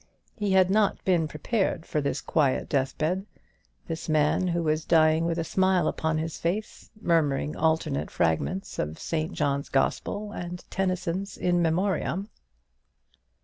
He had not been prepared for this quiet deathbed; this man, who was dying with a smile upon his face, murmuring alternate fragments of St. John's Gospel and Tennyson's "In Memoriam."